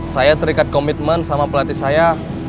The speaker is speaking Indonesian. saya terikat komitmen sama pelatih saya